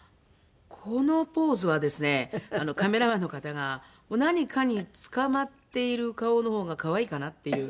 このポーズはですねカメラマンの方が何かにつかまっている顔の方が可愛いかなっていう。